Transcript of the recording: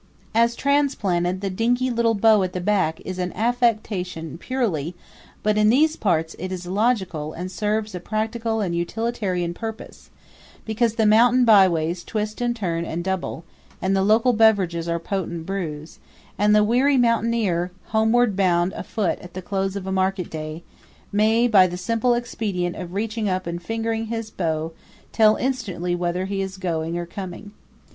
As transplanted, the dinky little bow at the back is an affectation purely but in these parts it is logical and serves a practical and a utilitarian purpose, because the mountain byways twist and turn and double, and the local beverages are potent brews; and the weary mountaineer, homeward bound afoot at the close of a market day, may by the simple expedient of reaching up and fingering his bow tell instantly whether he is going or coming.